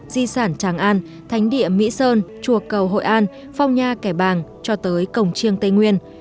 di sản tràng an thánh địa mỹ sơn chùa cầu hội an phong nha kẻ bàng cho tới cổng chiêng tây nguyên